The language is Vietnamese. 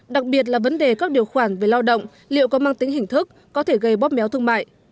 đặc biệt là vấn đề các điều khoản về lao động liệu có mang tính hình thức có thể gây bóp méo thương mại